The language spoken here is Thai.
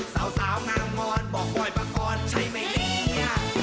สาวงามงอนบอกบอยปกรณ์ใช่ไหมเนี่ย